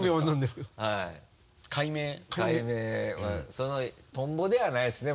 その「トンボ」ではないですね